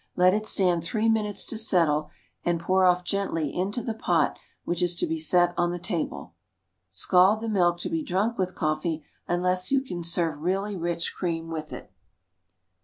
Let it stand three minutes to settle, and pour off gently into the pot which is to be set on the table. Scald the milk to be drunk with coffee, unless you can serve really rich cream with it.